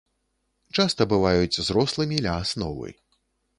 Часта бываюць зрослымі ля асновы.